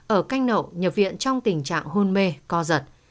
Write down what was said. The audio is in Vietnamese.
ở canh nậu nhập viện trong tình trạng hôn mê co giật